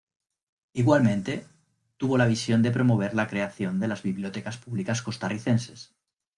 Igualmente, tuvo la visión de promover la creación de las bibliotecas públicas costarricenses.